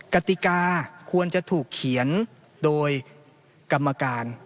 กติกาควรจะถูกเขียนโดยกรรมการ